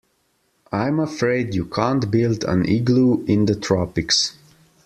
I'm afraid you can't build an igloo in the tropics.